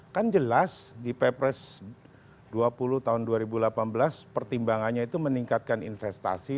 kan jelas di pepres dua puluh tahun dua ribu delapan belas pertimbangannya itu meningkatkan investasi